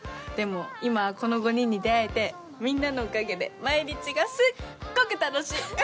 でも今はこの５人に出会えてみんなのおかげで毎日がすっごく楽しい！